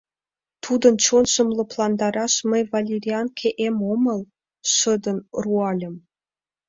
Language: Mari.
— Тудын чонжым лыпландараш мый валерианке эм омыл! — шыдын руальым.